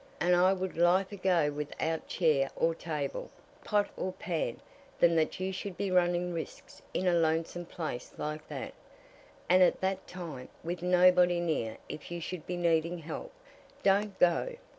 And I would liefer go without chair or table, pot or pan, than that you should be running risks in a lonesome place like that, and at that time, with nobody near if you should be needing help. Don't go!"